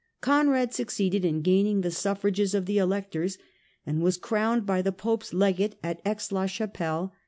Conrad succeeded in gaining the suffrages of the Electors and was crowned by the Pope's Legate at Aix la Chapelle 2 (1138).